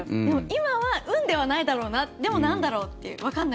でも、今は運ではないだろうなでも、なんだろうっていう。